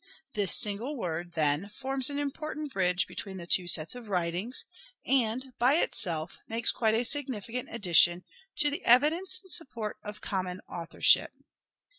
This single word, then, forms an important bridge between the two sets of writings ; and, by itself, makes quite a significant addition to the evidence in support of a common authorship.